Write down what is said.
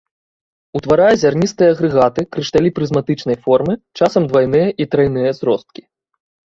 Утварае зярністыя агрэгаты, крышталі прызматычнай формы, часам двайныя і трайныя зросткі.